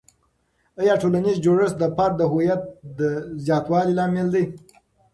آیا ټولنیز جوړښت د فرد د هویت زیاتوالي لامل دی؟